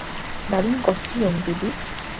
দারুণ costume, PB.